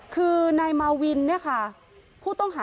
คือในมาวินเนี่ยค่ะ